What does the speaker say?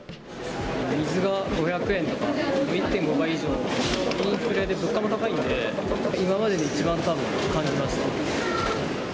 水が５００円とか、１．５倍以上で、インフレで物価も高いんで、今までで一番、たぶん感じました。